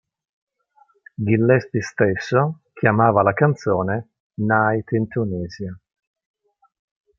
Gillespie stesso chiamava la canzone "Night in Tunisia".